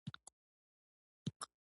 پادري پوښتنه وکړه: ستا ورسره هیڅ مینه نشته؟